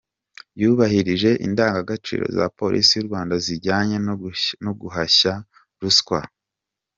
Yubahirije indangagaciro za Polisi y’u Rwanda zijyanye no guhashya ruswa aho iva ikagera″.